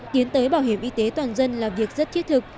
tiến tới bảo hiểm y tế toàn dân là việc rất thiết thực